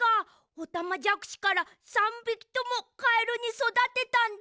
オタマジャクシから３びきともカエルにそだてたんだ！